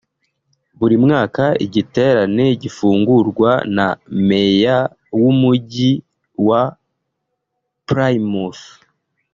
Buri mwaka igiterane gifungurwa na meya w’umujyi wa Plymouth